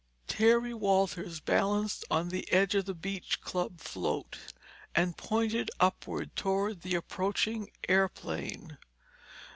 Terry Walters balanced on the edge of the beach club float and pointed upward toward the approaching airplane.